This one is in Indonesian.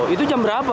itu jam berapa